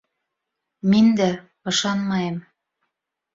Мин дә... ышанмайым.